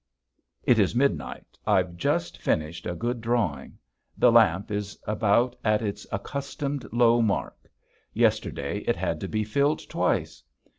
It is midnight. I've just finished a good drawing. The lamp is about at its accustomed low mark yesterday it had to be filled twice!